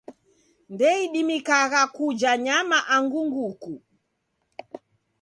Ndeidimikagha kuja nyama angu nguku.